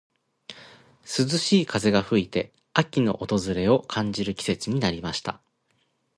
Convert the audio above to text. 涼しい風が吹いて、秋の訪れを感じる季節になりました。